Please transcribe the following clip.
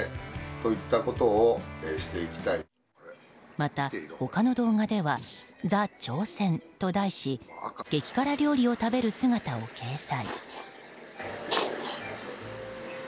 また他の動画では「ザ挑戦」と題し激辛料理を食べる姿を掲載。